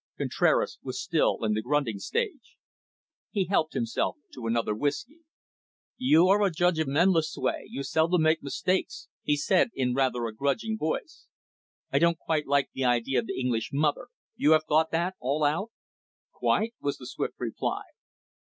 Contraras was still in the grunting stage. He helped himself to another whiskey. "You are a judge of men, Lucue; you seldom make mistakes," he said, in rather a grudging voice. "I don't quite like the idea of the English mother. You have thought that all out?" "Quite," was the swift reply.